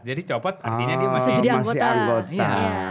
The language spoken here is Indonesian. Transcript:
jadi copot artinya dia masih anggota